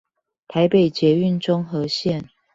台北捷運中和線